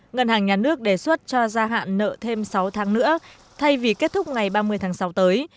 ngân hàng nhà nước đề xuất cho gia hạn nợ thêm sáu tháng nữa thay vì kết thúc ngày ba mươi tháng sáu tới